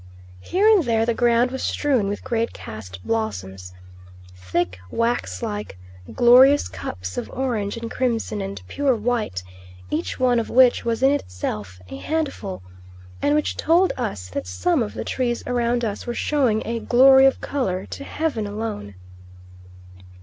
Here and there the ground was strewn with great cast blossoms, thick, wax like, glorious cups of orange and crimson and pure white, each one of which was in itself a handful, and which told us that some of the trees around us were showing a glory of colour to heaven alone.